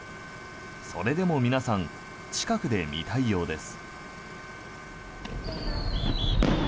それでも皆さん近くで見たいようです。